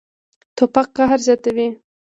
توپک قهر زیاتوي.